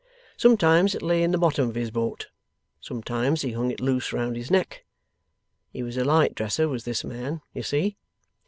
Sometimes it lay in the bottom of his boat. Sometimes he hung it loose round his neck. He was a light dresser was this man; you see?